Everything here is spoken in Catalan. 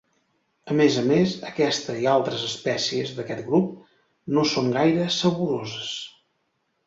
A més a més, aquesta i altres espècies d'aquest grup no són gaire saboroses.